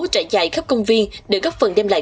trải dài khắp công viên để góp phần đem lại